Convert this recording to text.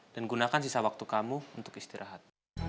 dan gunakan sisa waktu kamu untuk istirahat